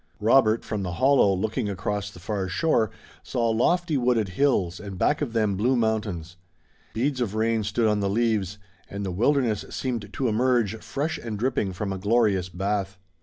Robert, from the hollow, looking across the far shore, saw lofty, wooded hills and back of them blue mountains. Beads of rain stood on the leaves, and the wilderness seemed to emerge, fresh and dripping, from a glorious bath.